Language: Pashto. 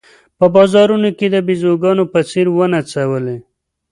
په بازارونو کې د بېزوګانو په څېر ونڅولې.